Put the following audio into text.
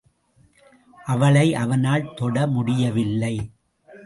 அவளை அவனால் தொட முடியவில்லை.